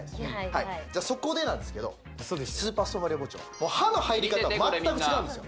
はいそこでなんですけどスーパーストーンバリア包丁刃の入り方まったく違うんですよ